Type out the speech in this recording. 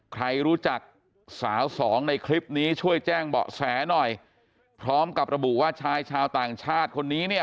ใครรู้จักสาวสองในคลิปนี้ช่วยแจ้งเบาะแสหน่อยพร้อมกับระบุว่าชายชาวต่างชาติคนนี้เนี่ย